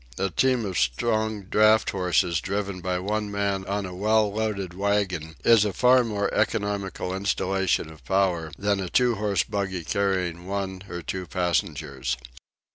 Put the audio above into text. A team of strong draught horses driven by one man on a well loaded waggon is a far more economical installation of power than a two horse buggy carrying one or two passengers.